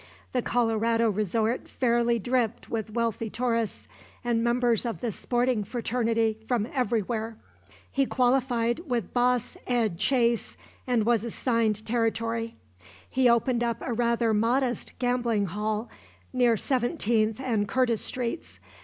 The Colorado resort fairly dripped with wealthy tourists and members of the sporting fraternity from everywhere. He qualified with Boss Ed Chase and was assigned territory. He opened up a rather modest gambling hall near Seventeenth and Curtis streets.